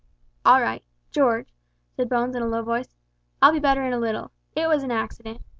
"All right. George," said Bones in a low voice, "I'll be better in a little. It was an accident.